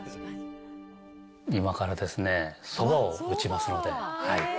今からですね、そばを打ちますので。